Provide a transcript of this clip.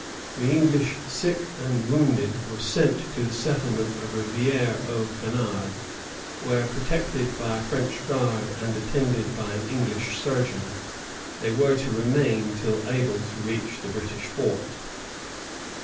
The English sick and wounded were sent to the settlement of Rivière aux Canards, where, protected by a French guard and attended by an English surgeon, they were to remain till able to reach the British fort.